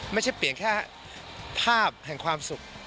ไม่ใช่เปลี่ยนแค่ภาพแห่งความสุข